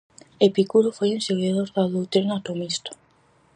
Epicuro foi un seguidor da doutrina atomista.